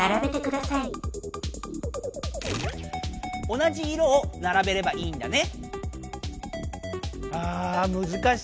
同じ色をならべればいいんだね。